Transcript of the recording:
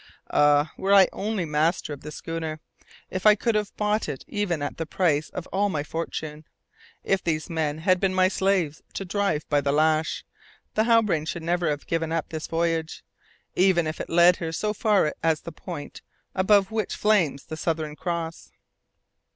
Ah! were I only master of the schooner! If I could have bought it even at the price of all my fortune, if these men had been my slaves to drive by the lash, the Halbrane should never have given up this voyage, even if it led her so far as the point above which flames the Southern Cross.